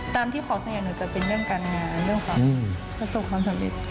ตามที่ขอสัญญาหนูจะเป็นเรื่องการงานเรื่องของประสบความสำเร็จ